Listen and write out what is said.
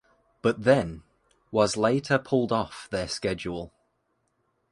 But then, was later pulled off their schedule.